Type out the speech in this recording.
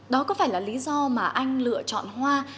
đó có phải là lý do mà anh lựa chọn hoa